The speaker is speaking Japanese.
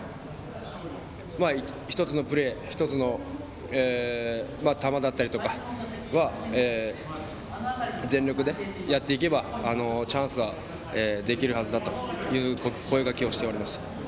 １つのプレー１つの球だったりは全力でやっていけばチャンスはできるはずだという声がけをしておりました。